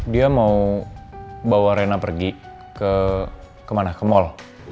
dia mau bawa rena pergi ke ke mana ke mall